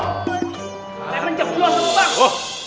jalan jalan ke uk